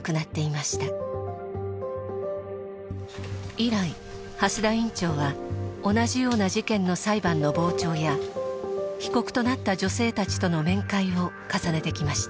以来蓮田院長は同じような事件の裁判の傍聴や被告となった女性たちとの面会を重ねてきました。